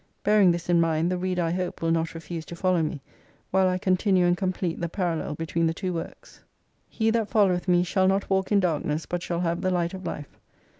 Bearing this in mind, the reader, I hope, will not refuse to follow me while I continue and complete the parallel between the two works. " He that followeth me shall not walk in darkness, but shall have the Light of Life."